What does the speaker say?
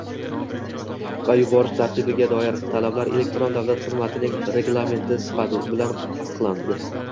va yuborish tartibiga doir talablar elektron davlat xizmatining reglamenti bilan tasdiqlanadi.